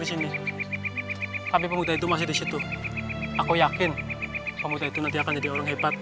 di sini tapi pemuda itu masih di situ aku yakin pemuda itu nanti akan jadi orang hebat